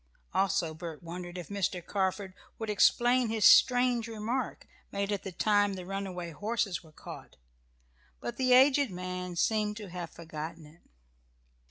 Also Bert wondered if Mr. Carford would explain his strange remark, made at the time the runaway horses were caught. But the aged man seemed to have forgotten it.